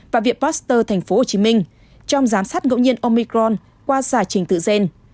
và viện pasteur tp hcm trong giám sát ngẫu nhiên omicron qua giải trình tự gen